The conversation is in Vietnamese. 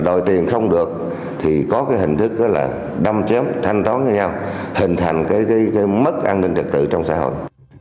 đòi tiền không được thì có hình thức đâm chếm thanh toán với nhau hình thành mất an ninh thực tự trong xã hội